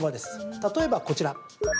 例えばこちら。